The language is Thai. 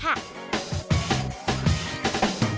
กล่าวค้านถึงกุ้ยเตี๋ยวลุกชิ้นหมูฝีมือลุงส่งมาจนถึงทุกวันนี้นั่นเองค่ะ